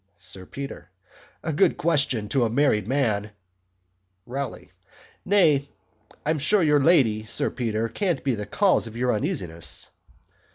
SIR PETER. A good question to a married man ROWLEY. Nay I'm sure your Lady Sir Peter can't be the cause of your uneasiness.